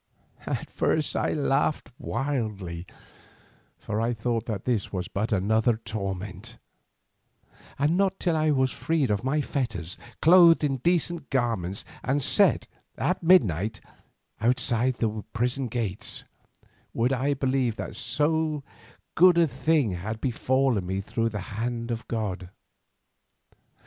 At first I laughed wildly, for I thought that this was but another torment, and not till I was freed of my fetters, clothed in decent garments, and set at midnight without the prison gates, would I believe that so good a thing had befallen me through the hand of God.